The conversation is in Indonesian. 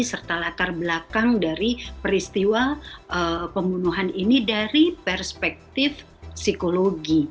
serta latar belakang dari peristiwa pembunuhan ini dari perspektif psikologi